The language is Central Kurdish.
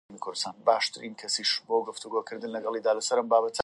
هەرگیز سێکسم نەکردووە.